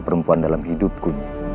perempuan dalam hidupku